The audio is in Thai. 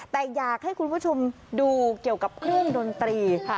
แต่อยากให้คุณผู้ชมดูเกี่ยวกับเครื่องดนตรี